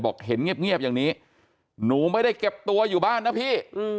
เห็นเงียบอย่างนี้หนูไม่ได้เก็บตัวอยู่บ้านนะพี่